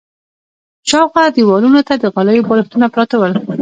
شاوخوا دېوالونو ته د غالیو بالښتونه پراته ول.